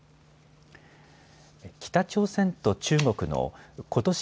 北朝鮮と中国のことし